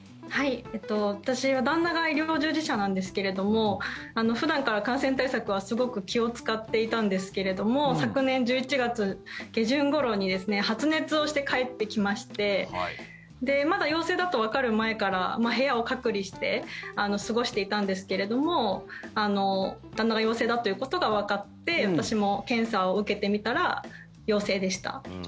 私は旦那が医療従事者なんですけれども普段から感染対策はすごく気を使っていたんですけど昨年１１月下旬ごろに発熱をして帰ってきましてまだ陽性だとわかる前から部屋を隔離して過ごしていたんですけれども旦那が陽性だということがわかって私も検査を受けてみたら陽性でした。